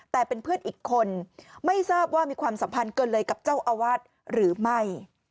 แต่เป็นเพื่อนอีกคนไม่ทราบว่ามีความสัมพันธ์เกินเลยกับเจ้าอาวาสหรือไม่